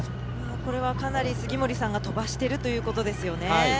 これはかなり杉森さんが飛ばしてるということですよね。